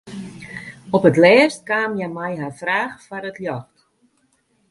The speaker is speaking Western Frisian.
Op 't lêst kaam hja mei har fraach foar it ljocht.